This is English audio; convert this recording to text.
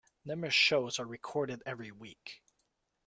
Numerous shows are recorded every week.